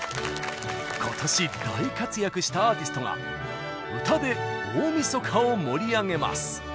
今年大活躍したアーティストが歌で大みそかを盛り上げます！